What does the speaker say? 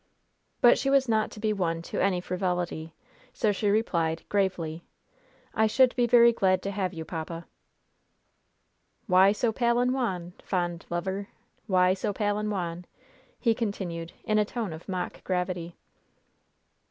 But she was not be won to any frivolity, so she replied, gravely: "I should be very glad to have you, papa." "'Why so pale and wan, fond lover? Why so pale and wan?'" he continued, in a tone of mock gravity.